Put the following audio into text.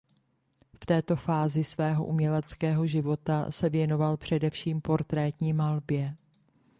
V této fázi svého uměleckého života se věnoval především portrétní malbě.